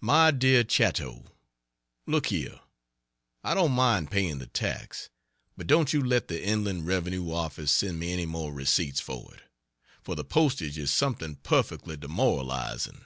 MY DEAR CHATTO, Look here, I don't mind paying the tax, but don't you let the Inland Revenue Office send me any more receipts for it, for the postage is something perfectly demoralizing.